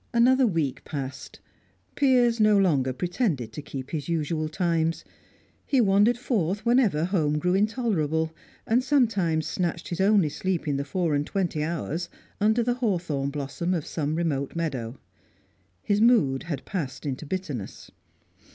Another week passed. Piers no longer pretended to keep his usual times; he wandered forth whenever home grew intolerable, and sometimes snatched his only sleep in the four and twenty hours under the hawthorn blossom of some remote meadow. His mood had passed into bitterness.